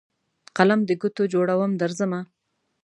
قلم دګوټو جوړوم درځمه